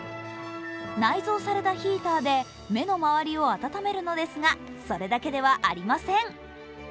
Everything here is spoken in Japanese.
内蔵されたヒーターで目の周りを温めるのですが、それだけではありません。